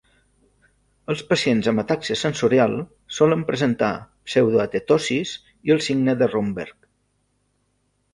Els pacients amb atàxia sensorial solen presentar pseudoatetosis i el signe de Romberg.